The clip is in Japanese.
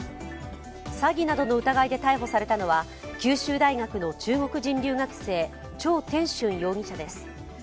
詐欺などの疑いで逮捕されたのは九州大学の中国人留学生張天俊容疑者です。